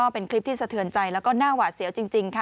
เป็นคลิปที่สะเทือนใจแล้วก็หน้าหวาดเสียวจริงค่ะ